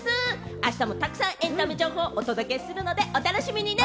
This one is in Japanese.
あしたもたくさんエンタメ情報をお届けするので、お楽しみにね。